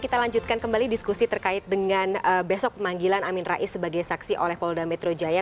kita lanjutkan kembali diskusi terkait dengan besok pemanggilan amin rais sebagai saksi oleh polda metro jaya